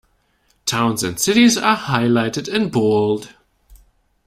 Towns and cities are highlighted in bold.